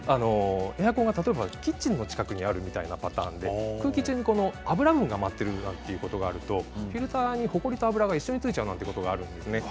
エアコンが例えばキッチンの近くにあるみたいなパターンで空気中に油分が舞ってるなっていうことがあるとフィルターにほこりと油が一緒についちゃうなんてことがあるんですね。